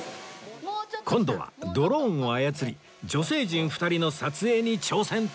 今度はドローンを操り女性陣２人の撮影に挑戦！